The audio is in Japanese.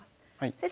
先生